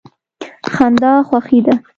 خندا خوښي ده.